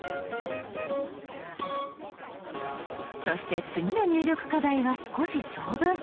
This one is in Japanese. そして次の入力課題は少し長文。